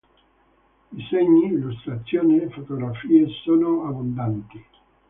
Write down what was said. Disegni, illustrazioni e fotografie sono abbondanti.